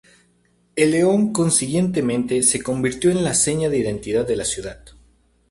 El león consiguientemente se convirtió en la seña de identidad de la ciudad.